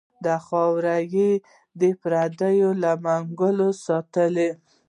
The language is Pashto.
دا خاوره یې د پردو له منګلو ساتلې.